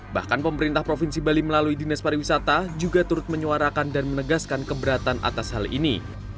bahkan pemerintah provinsi bali melalui dinas pariwisata juga turut menyuarakan dan menegaskan keberatan atas hal ini